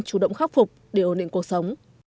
chủ động khắc phục để ổn định cuộc sống